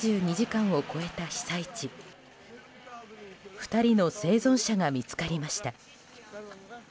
２人の生存者が見つかりました。